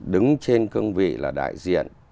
đứng trên cương vị là đại diện